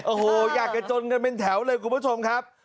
โอ้โหอยากจะจนกันเป็นแถวเลยคุณผู้ชมครับ